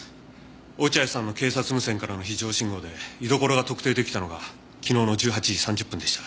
落合さんの警察無線からの非常信号で居所が特定出来たのが昨日の１８時３０分でした。